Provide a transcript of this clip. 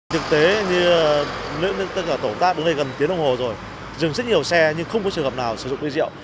thực tế như tất cả tổ ta đứng gần tiến đồng hồ rồi dừng rất nhiều xe nhưng không có trường hợp nào sử dụng bữa rượu